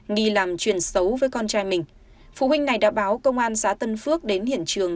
nghi làm truyền xấu với con trai mình phụ huynh này đã báo công an xã tân phước đến hiện trường